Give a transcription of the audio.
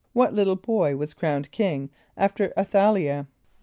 = What little boy was crowned king after [)A]th a l[=i]´ah?